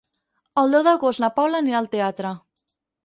El deu d'agost na Paula anirà al teatre.